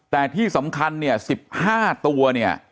แต่ที่สำคัญ๑๕ตัว